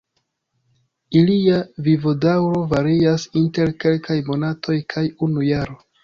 Ilia vivodaŭro varias inter kelkaj monatoj kaj unu jaro.